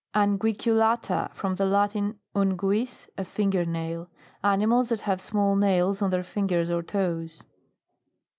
UNGUICULATA. From the Latin, un guis, a (finger) nail. Animals that have small nails on their fingers or toes.